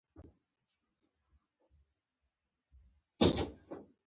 څنګه کولی شم د روژې نیولو عادت بیا پیل کړم